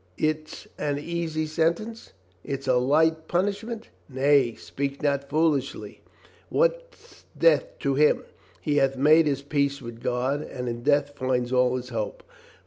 It's an easy sentence ? It's a light punishment? Nay, speak not so foolishly. What's death to him? He hath made his peace with God and in death finds all his hope.